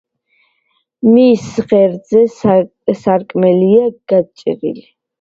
მის ღერძზე სარკმელია გაჭრილი.